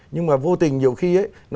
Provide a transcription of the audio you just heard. nhưng mà vô tình nhiều khi